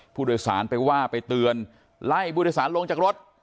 ผู้โดยสารไปว่าไปเตือนไล่ผู้โดยสารลงจากรถ